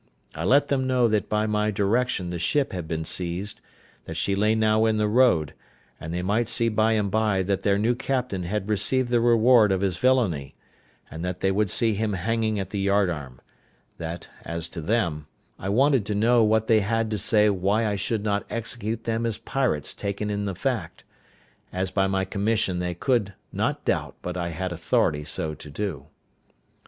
I let them know that by my direction the ship had been seized; that she lay now in the road; and they might see by and by that their new captain had received the reward of his villainy, and that they would see him hanging at the yard arm; that, as to them, I wanted to know what they had to say why I should not execute them as pirates taken in the fact, as by my commission they could not doubt but I had authority so to do.